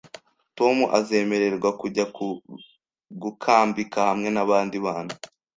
Tom azemererwa kujya gukambika hamwe nabandi bana?